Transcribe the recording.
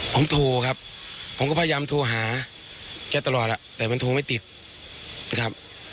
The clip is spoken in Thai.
ผมโทรครับผมก็พยายามโทรหาแกตลอดแต่มันโทรไม่ติดนะครับ